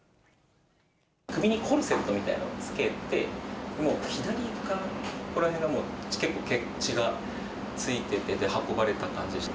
首にコルセットみたいなものをつけて、もう左側のここら辺が結構血が付いてて、運ばれた感じでした。